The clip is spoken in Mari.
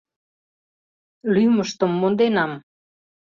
Лӱмыштым монденам.